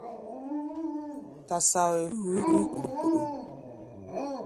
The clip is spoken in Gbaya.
Tasaoʼɛ húí hui kóɗóŋ-kóɗóŋ.